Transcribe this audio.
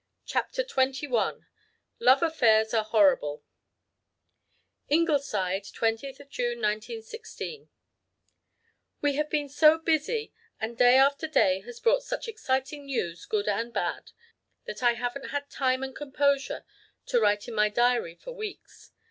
CHAPTER XXI "LOVE AFFAIRS ARE HORRIBLE" Ingleside 20th June 1916 "We have been so busy, and day after day has brought such exciting news, good and bad, that I haven't had time and composure to write in my diary for weeks.